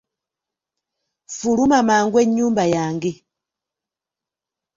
Fuluma mangu ennyumba yange!